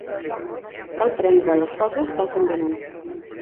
Cal prendre les coses tal com venen.